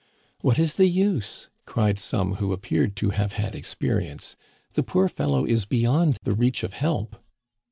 "What is the use?" cried some who appeared to have had experience. The poor fellow is beyond the reach of help."